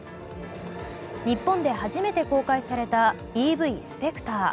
日本で初めて公開されたＥＶスペクター。